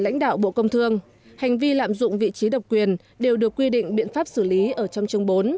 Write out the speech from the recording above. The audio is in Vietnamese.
lãnh đạo bộ công thương hành vi lạm dụng vị trí độc quyền đều được quy định biện pháp xử lý ở trong chương bốn